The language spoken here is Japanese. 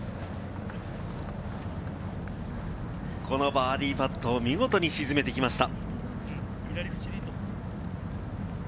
このバーディーパットを見事に沈めてきました。